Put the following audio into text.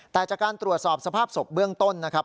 แต่จากการตรวจสอบสภาพศพเบื้องต้นนะครับ